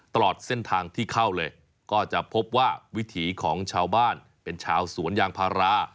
ตลอดเส้นทางที่เข้าเลยก็จะพบว่าวิถีของชาวบ้านเป็นชาวสวนยางพารา